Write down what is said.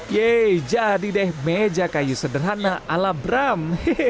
yeh jadi deh meja kayu sederhana ala bram